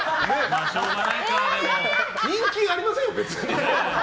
人気ありませんよ、別に。